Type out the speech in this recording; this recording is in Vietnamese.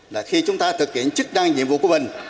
là khi chúng ta thực hiện chức năng nhiệm vụ của mình